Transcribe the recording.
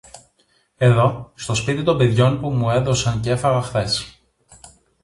Εδώ, στο σπίτι των παιδιών που μου έδωσαν κι έφαγα χθες.